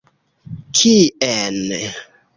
Kien?